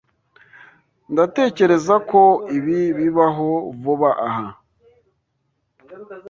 Ndatekereza ko ibi bibaho vuba aha.